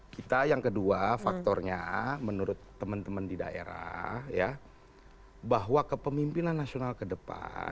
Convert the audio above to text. kita yang kedua faktornya menurut teman teman di daerah ya bahwa kepemimpinan nasional ke depan